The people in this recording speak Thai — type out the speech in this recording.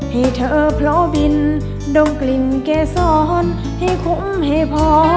ให้เธอเพราะบินดมกลิ่นเกษรให้คุ้มให้พอ